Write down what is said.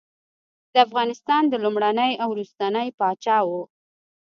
د افغانستان لومړنی او وروستنی پاچا وو.